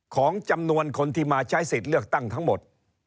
ของจำนวนคนที่มาใช้สิทธิ์เลือกตั้งทั้งหมด